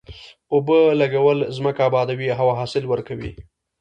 اوبو لګول ځمکه ابادوي او حاصل ورکوي.